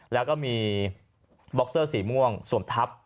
แล้วก็มีบ็อกเซอร์สีม่วงสวมทับ